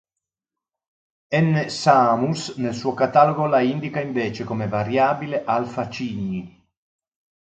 N. Samus nel suo catalogo la indica invece come variabile Alfa Cygni.